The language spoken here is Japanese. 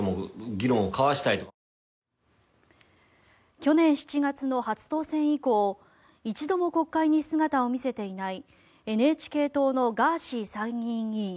去年７月の初当選以降一度も国会に姿を見せていないＮＨＫ党のガーシー参議院議員。